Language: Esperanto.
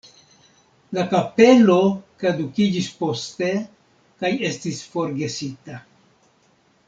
La kapelo kadukiĝis poste kaj estis forgesita.